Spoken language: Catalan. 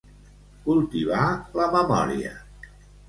Cultivar la memòria.